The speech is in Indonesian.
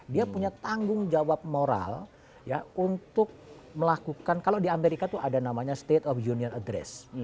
dia punya tanggung jawab moral untuk melakukan kalau di amerika itu ada namanya state of union address